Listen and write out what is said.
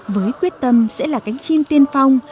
với quyết tâm sẽ là cánh chim tiên phong